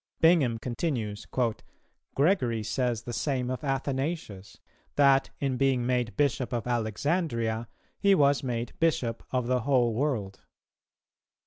Bingham continues "[Gregory] says the same of Athanasius; that, in being made Bishop of Alexandria, he was made Bishop of the whole world.